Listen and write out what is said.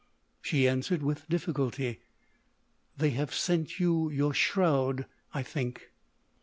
She answered with difficulty: "They have sent you your shroud, I think."